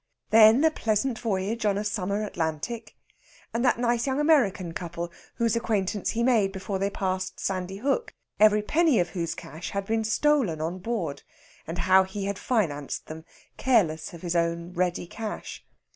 Then a pleasant voyage on a summer Atlantic, and that nice young American couple whose acquaintance he made before they passed Sandy Hook, every penny of whose cash had been stolen on board, and how he had financed them, careless of his own ready cash.